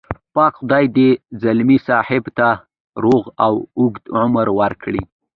پاک خدای دې ځلمي صاحب ته روغ او اوږد عمر ورکړي.